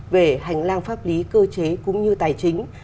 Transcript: về hành lang pháp lý cơ chế cũng như tài chính